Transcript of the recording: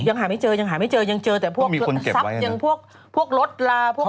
ยังหาไม่เจอยังหาไม่เจอยังเจอแต่พวกทรัพย์ยังพวกรถลาพวก